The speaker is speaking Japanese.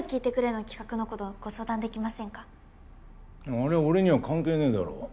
ありゃ俺には関係ねえだろ。